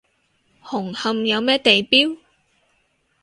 紅磡有咩地標？